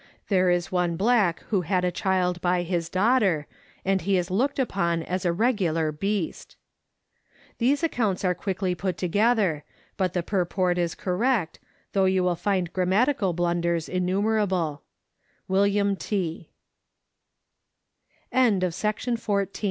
There is one black who had a child by his daughter, and he is looked upon as a regular beast. These accounts are quickly put together, but the purport is correct, though you will find grammatical blunders innumerabl